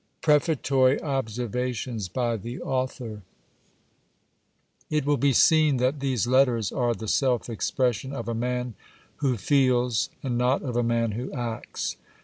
PREFATORY OBSERVATIONS BY THE AUTHOR It will be seen that these letters are the self expression of a man who feels and not of a man who acts.